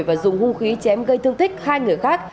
và dùng hung khí chém gây thương tích hai người khác